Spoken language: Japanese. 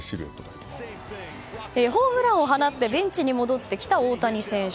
ホームランを放ってベンチに戻ってきた大谷選手。